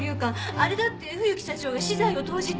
あれだって冬木社長が私財を投じて。